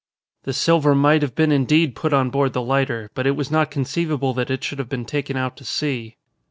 "The silver might have been indeed put on board the lighter, but it was not conceivable that it should have been taken out to sea."